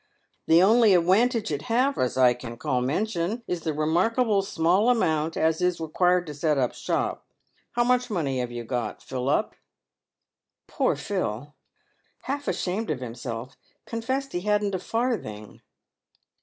The only adwantage it have, as I can call to mention, is the remarkable small amount as is re quired to set up shop. How much money have you got, Philup ?" Poor Phil, half ashamed of himself, confessed he hadn't a farthing.